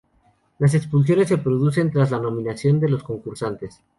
Las expulsiones se producen tras la nominación de los concursantes.